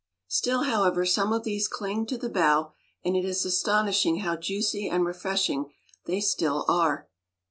Still, however, some of these cling to the bough; and it is astonishing how juicy and refreshing they still are.